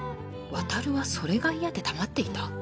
渉はそれが嫌で黙っていた？